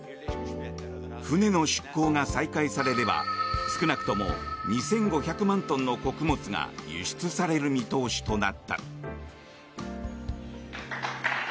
船の出港が再開されれば少なくとも２５００万トンの穀物が輸出される見通しとなった。